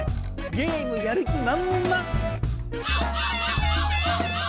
ゲームやる気まんまん！